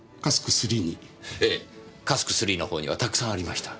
ええ「Ｃａｓｋ」のほうにはたくさんありました。